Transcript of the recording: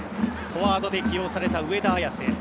フォワードで起用された上田綺世。